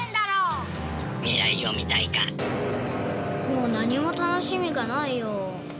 もう何も楽しみがないよ。